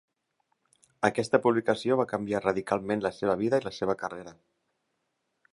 Aquesta publicació va canviar radicalment la seva vida i la seva carrera.